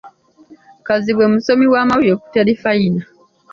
Kazibwe musomi wa mawulire ku terefayina.